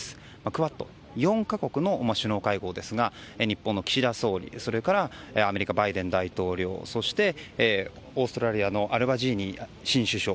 クアッド４か国の首脳会合ですが日本の岸田総理それからアメリカバイデン大統領そして、オーストラリアのアルバニージー新首相